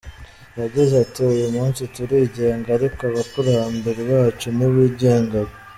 Yagize ati: “Uyu munsi turigenga, ariko abakurambere bacu ntibigengaga.